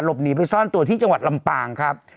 หนีไปซ่อนตัวที่จังหวัดลำปางครับ